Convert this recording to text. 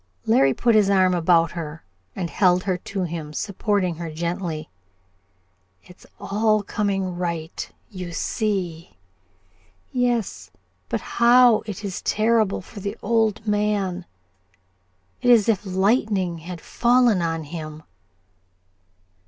Larry put his arm about her and held her to him, supporting her gently. "It's all coming right, you see." "Yes. But, how it is terrible for the old man! It is as if the lightning had fallen on him."